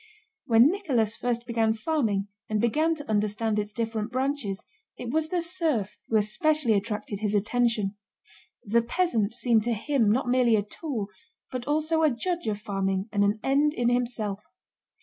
When Nicholas first began farming and began to understand its different branches, it was the serf who especially attracted his attention. The peasant seemed to him not merely a tool, but also a judge of farming and an end in himself.